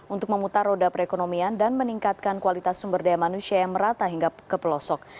untuk memutar roda perekonomian dan meningkatkan kualitas sumber daya manusia yang merata hingga ke pelosok